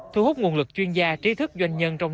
thu hút nguồn lực chuyên gia trí thức doanh nhân trong